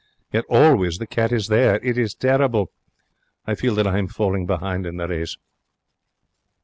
Yet always the cat is there. It is terrible. I feel that I am falling behind in the race.